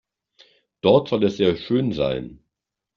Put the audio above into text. Dort soll es sehr schön sein.